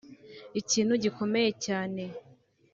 Ikintu gikomeye cyane